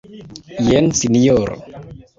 Jen, Sinjoro.